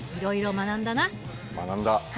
学んだ。